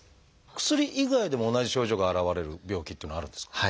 薬以外でも同じ症状が現れる病気っていうのはあるんですか？